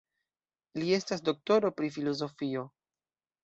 Li estas doktoro pri filozofio.